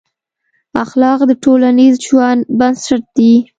اخلاق د ټولنیز ژوند بنسټ دي.